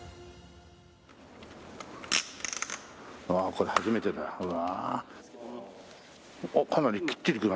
これ初めてだよ。